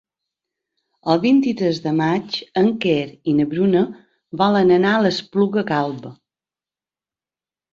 El vint-i-tres de maig en Quer i na Bruna volen anar a l'Espluga Calba.